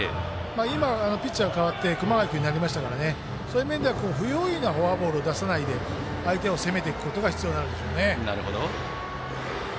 今、ピッチャー代わって熊谷君になりましたからそういう面では、不用意なフォアボールを出さないで相手を攻めていくことが必要になるんでしょうね。